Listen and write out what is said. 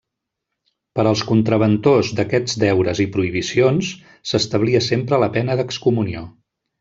Per als contraventors d'aquests deures i prohibicions, s'establia sempre la pena d'excomunió.